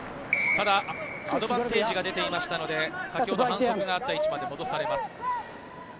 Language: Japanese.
ただ、アドバンテージが出ていましたので、先ほど反則があった位置まで戻されます。